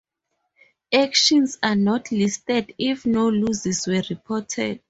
Actions are not listed if no losses were reported.